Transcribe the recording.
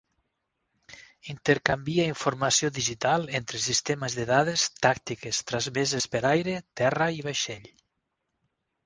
Intercanvia informació digital entre sistemes de dades tàctiques transmeses per aire, terra i vaixell.